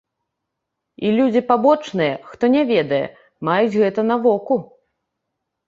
І людзі пабочныя, хто не ведае, маюць гэта на воку.